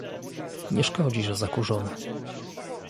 "Nie szkodzi, że zakurzone."